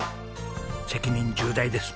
責任重大です。